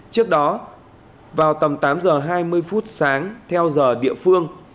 trước đó vào tầm tám giờ hai mươi phút sáng theo giờ địa phương